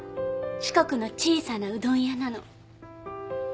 四国の小さなうどん屋なの。